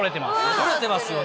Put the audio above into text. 折れてますよね。